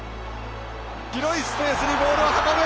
広いスペースにボールを運ぶ！